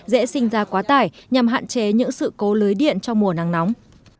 dễ sinh ra quá tải nhằm hạn chế những sự cố lưới điện trong mùa nắng nóng